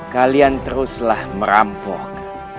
kalian teruslah merampok